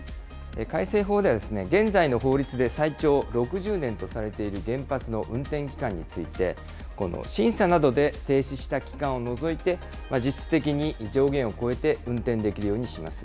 改正法では、現在の法律で最長６０年とされている原発の運転期間について、この審査などで停止した期間を除いて、実質的に上限を超えて運転できるようにします。